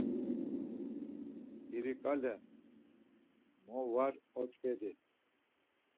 İriǩale mo var otzǩedi?